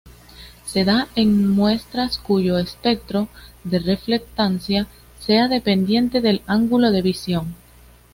Se da en muestras cuyo espectro de reflectancia sea dependiente del ángulo de visión.